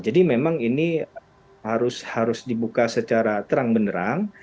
jadi memang ini harus dibuka secara terang benerang